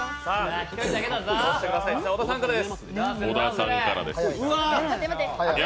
小田さんからです。